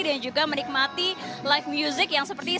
dan juga menikmati live music yang seperti ini